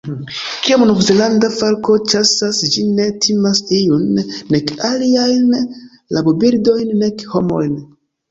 Kiam Novzelanda falko ĉasas ĝi ne timas iun, nek aliajn rabobirdojn, nek homojn.